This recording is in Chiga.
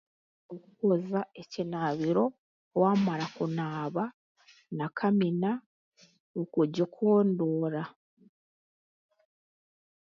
Okwoza ekinaabiro, waamara kunaaba na kamina, okugikondoora.